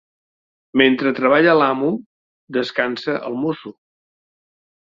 Mentre treballa l'amo, descansa el mosso.